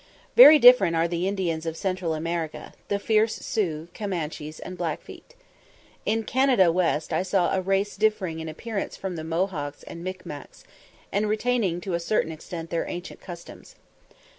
Very different are the Indians of Central America, the fierce Sioux, Comanches, and Blackfeet. In Canada West I saw a race differing in appearance from the Mohawks and Mic Macs, and retaining to a certain extent their ancient customs.